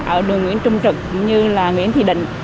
ở đường nguyễn trung trực cũng như là nguyễn thị định